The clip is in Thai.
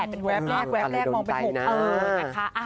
เลข๘เป็นแวบมองเป็น๖เออนะคะ